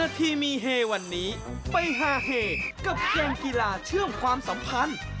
ทีมีเฮวันนี้ไปฮาเฮกับเกมกีฬาเชื่อมความสัมพันธ์